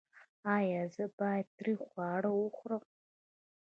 ایا زه باید تریخ خواړه وخورم؟